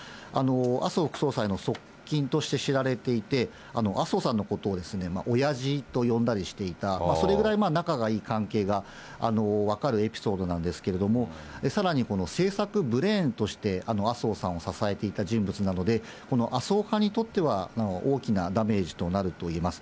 麻生副総裁の側近として知られていて、麻生さんのことをおやじと呼んだりしていた、それぐらい仲がいい関係が分かるエピソードなんですけれども、さらにこの政策ブレーンとして、麻生さんを支えていた人物なので、この麻生派にとっては大きなダメージになるといえます。